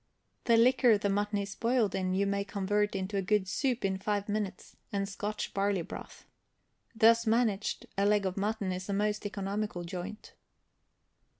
The liquor the mutton is boiled in, you may convert into good soup in five minutes, and Scotch barley broth. Thus managed, a leg of mutton is a most economical joint.